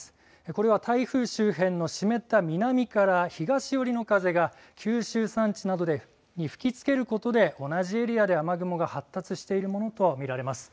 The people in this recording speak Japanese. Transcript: これは台風周辺の湿った南から東寄りの風が九州山地などに吹きつけることで同じエリアで雨雲が発達しているものと見られます。